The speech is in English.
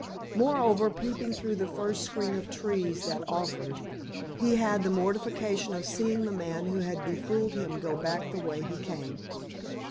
Moreover, peeping through the first screen of trees that offered, he had the mortification of seeing the man who had befooled him go back the way he came.